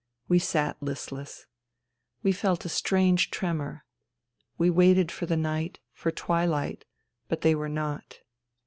We sat listless. We felt a strange tremor. We waited for the night, for twi light ; but they were not.